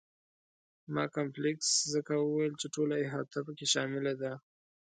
ما کمپلکس ځکه وویل چې ټوله احاطه په کې شامله ده.